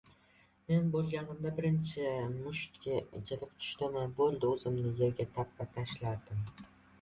Men bo‘lganimda birinchi musht kelib tushdimi, bo‘ldi, o‘zimni yerga tappa tashlardim.